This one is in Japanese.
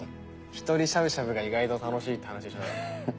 １人しゃぶしゃぶが意外と楽しいって話でしょ？